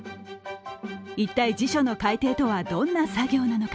一体辞書の改訂とはどんな作業なのか。